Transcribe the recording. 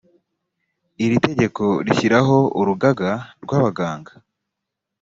iri tegeko rishyiraho urugaga rw abaganga